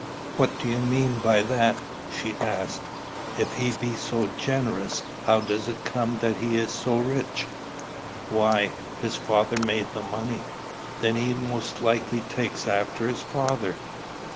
"What do you mean by that?" she asked. "If he be so generous, how does it come that he is so rich?" "Why, his father made the money." "Then he most likely takes after his father.